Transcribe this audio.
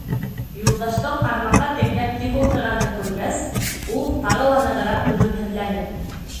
Юлдаштың ҡармаҡҡа текләп тик ултырғанын күргәс, ул, тағы ла нығыраҡ түҙемһеҙләнеп: